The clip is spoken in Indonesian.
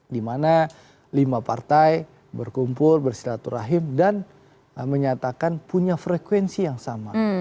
dimana lima partai berkumpul bersilaturahim dan menyatakan punya frekuensi yang sama